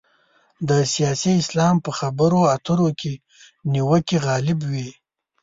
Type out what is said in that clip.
د سیاسي اسلام په خبرو اترو کې نیوکې غالب وي.